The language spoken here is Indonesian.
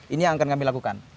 ini yang akan kami lakukan